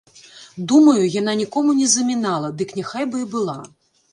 Думаю, яна нікому не замінала, дык няхай бы і была!